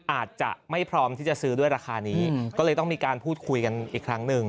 อาจจะไม่พร้อมที่จะซื้อด้วยราคานี้ก็เลยต้องมีการพูดคุยกันอีกครั้งหนึ่ง